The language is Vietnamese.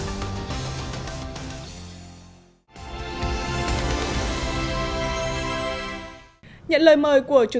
nhận lời mời của chủ tướng nguyễn xuân phúc